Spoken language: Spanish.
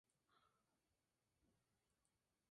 La cabecera del condado es Mount Carmel.